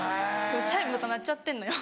チャイムとか鳴っちゃってんのよ。